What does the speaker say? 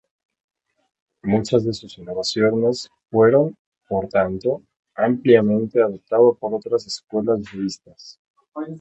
Muchas de sus innovaciones fueron, por tanto, ampliamente adoptado por otras escuelas budistas.